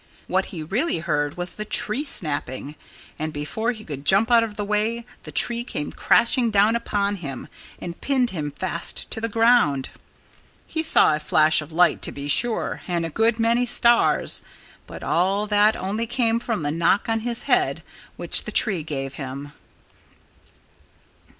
What he really heard was the tree snapping. And before he could jump out of the way the tree came crashing down upon him and pinned him fast to the ground. He saw a flash of light, to be sure, and a good many stars. But all that only came from the knock on his head which the tree gave him.